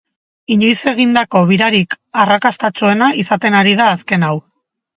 Inoiz egindako birarik arrakastatsuena izaten ari da azken hau.